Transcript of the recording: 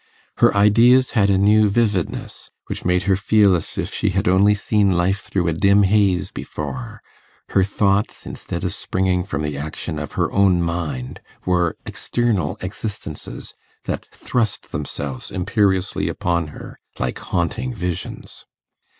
Her ideas had a new vividness, which made her feel as if she had only seen life through a dim haze before; her thoughts, instead of springing from the action of her own mind, were external existences, that thrust themselves imperiously upon her like haunting visions.